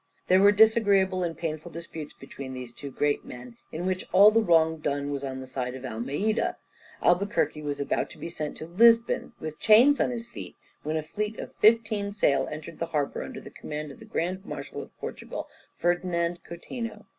There were disagreeable and painful disputes between these two great men, in which all the wrong done was on the side of Almeida. Albuquerque was about to be sent to Lisbon with chains on his feet, when a fleet of fifteen sail entered the harbour, under the command of the grand Marshal of Portugal, Ferdinand Coutinho.